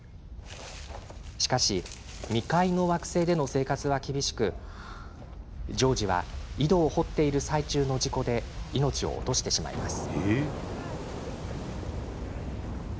しかし未開の惑星での生活は厳しくジョージは井戸を掘っている最中の事故で命を落としてしまいます。